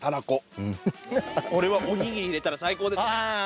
これはお握りに入れたら最高です。